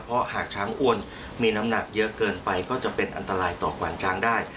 เพราะหากช้างอ้วนมีน้ำหนักเยอะเกินไปก็จะเป็นอันตรายต่อขวานช้างได้